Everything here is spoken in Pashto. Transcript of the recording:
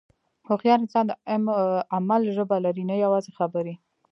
هوښیار انسان د عمل ژبه لري، نه یوازې خبرې.